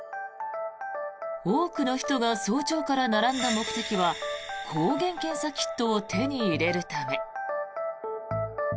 多くの人が早朝から並んだ目的は抗原検査キットを手に入れるため。